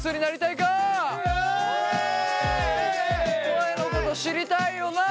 声のこと知りたいよな？